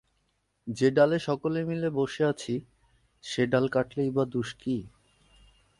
যে ডালে সকলে মিলে বসে আছি সে ডাল কাটলেই বা দোষ কী?